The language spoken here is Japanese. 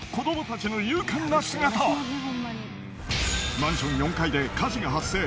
マンション４階で火事が発生！